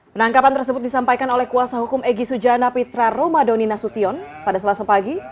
penangkapan tersebut disampaikan oleh kuasa hukum egy sujana pitra romadoni nasution pada selasa pagi